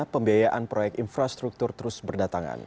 pembiayaan proyek infrastruktur terus berdatangan